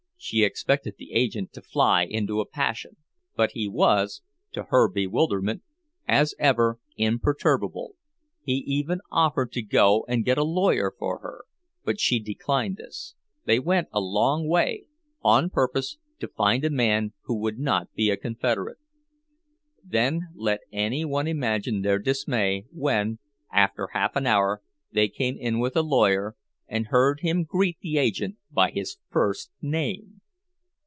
She expected the agent to fly into a passion, but he was, to her bewilderment, as ever imperturbable; he even offered to go and get a lawyer for her, but she declined this. They went a long way, on purpose to find a man who would not be a confederate. Then let any one imagine their dismay, when, after half an hour, they came in with a lawyer, and heard him greet the agent by his first name!